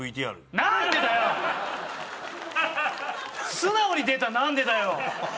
素直に出た「なんでだよ！」。